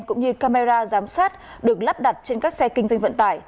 cũng như camera giám sát được lắp đặt trên các xe kinh doanh vận tải